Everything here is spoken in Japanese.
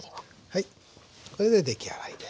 はいこれで出来上がりです。